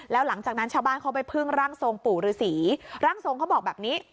แล้วหลังจากนั้นชาวบ้านเขาไปพึ่งร่างทรงปู่ฤษีร่างทรงเขาบอกแบบนี้